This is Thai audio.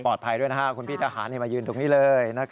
ปลอดภัยด้วยนะคะคุณพี่ทหารมายืนตรงนี้เลย